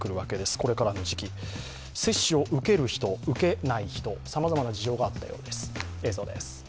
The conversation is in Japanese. これからの時期、接種を受ける人受けない人さまざまな事情があったようです。